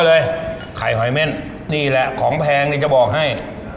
เลยไข่หอยเม่นนี่แหละของแพงนี่จะบอกให้